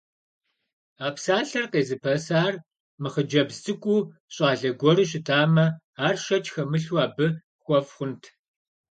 А псалъэр къезыпэсар мыхъыджэбз цӀыкӀуу, щӀалэ гуэру щытамэ, ар, шэч хэмылъу, абы хуэфӀ хъунт!